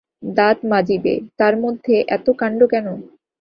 দাঁত মাজিবে, তার মধ্যে এত কান্ড কেন।